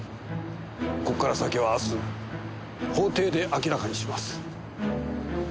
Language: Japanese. ここから先は明日法廷で明らかにします。